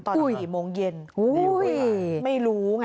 ตอนกี่โมงเย็นเดี๋ยวพูดล่ะไม่รู้นะ